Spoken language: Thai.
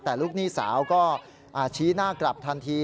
แต่ลูกหนี้สาวก็ชี้หน้ากลับทันที